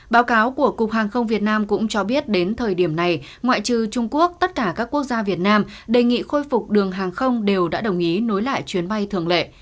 báo cáo của cục hàng không việt nam cũng cho biết đến thời điểm này ngoại trừ trung quốc tất cả các quốc gia việt nam đề nghị khôi phục đường hàng không đều đã đồng ý nối lại chuyến bay thường lệ